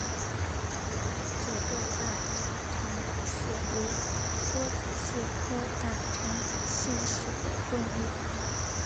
皱褶大蟾蟹为梭子蟹科大蟾蟹属的动物。